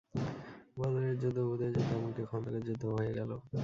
বদরের যুদ্ধ, উহুদের যুদ্ধ এমনকি খন্দকের যুদ্ধও হয়ে গেল।